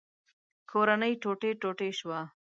کورنۍ ټوټې ټوټې شوه.